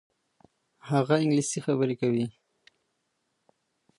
هغه انګلیسي خبرې کوي.